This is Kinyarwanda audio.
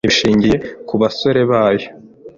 Gutera imbere kwigihugu ahanini bishingiye kubasore bayo.